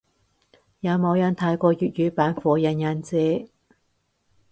有冇人睇過粵語版火影忍者？